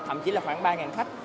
thậm chí là khoảng ba khách